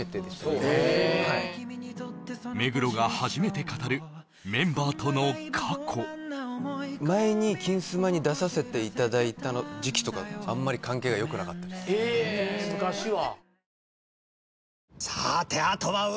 今はい目黒が初めて語るメンバーとの過去前に「金スマ」に出させていただいた時期とかあんまり関係がよくなかったですえ昔は？